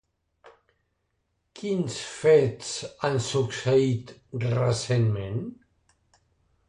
Quins fets han succeït recentment?